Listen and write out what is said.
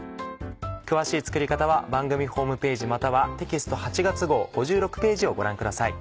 詳しい作り方は番組ホームページまたはテキスト８月号５６ページをご覧ください。